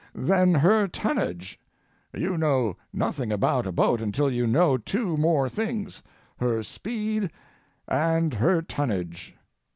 Then her tonnage—you know nothing about a boat until you know two more things: her speed and her tonnage.